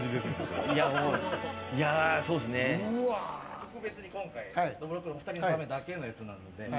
特別に今回、どぶろっくのお二人のためだけのやつなので。